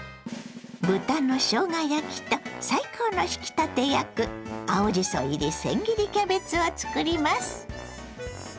豚のしょうが焼きと最高の引き立て役青じそ入りせん切りキャベツを作ります。